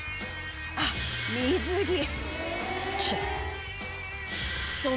あっ水着。